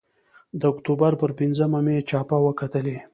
د اکتوبر پر پینځمه مې چاپه وکتلې.